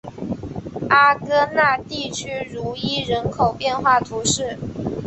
阿戈讷地区茹伊人口变化图示